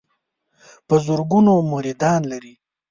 په زرګونو مریدان لري.